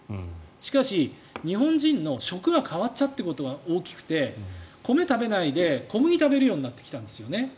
しかし、日本人の食が変わっちゃったことが大きくて米を食べないで小麦を食べるようになってきたんですよね。